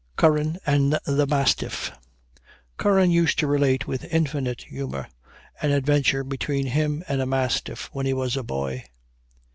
CURRAN AND THE MASTIFF. Curran used to relate with infinite humor an adventure between him and a mastiff, when he was a boy.